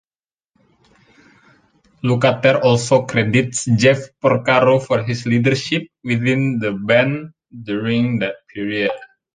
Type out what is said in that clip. Lukather also credits Jeff Porcaro for his leadership within the band during that period.